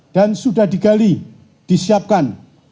dan sudah digali disiapkan